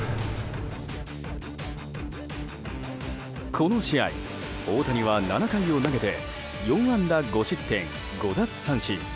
この試合、大谷は７回を投げて４安打５失点５奪三振。